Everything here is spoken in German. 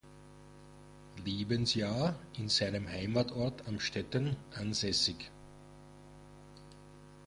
Lebensjahr in seinem Heimatort Amstetten ansässig.